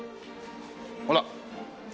ほら。